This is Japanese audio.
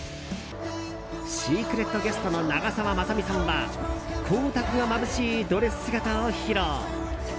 シークレットゲストの長澤まさみさんは光沢がまぶしいドレス姿を披露。